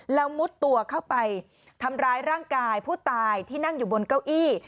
แล้วมุดตัวเข้าไปทำร้ายร่างกายผู้ตายที่นั่งอยู่บนเก้าอี้